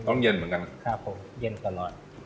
ต้องเย็นเหมือนกัน